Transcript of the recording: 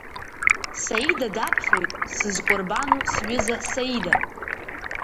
Саида даԥхьоит Сызкәырбану сҩыза Саида!